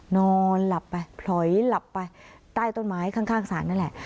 นอนหลับไปพลอยหลับไปใต้ต้นไม้ข้างศาลนั่นแหละ